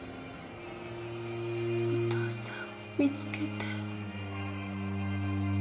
お父さんを見つけて。